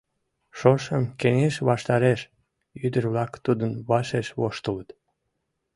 Шошым, кеҥеж ваштареш! — ӱдыр-влак тудын вашеш воштылыт.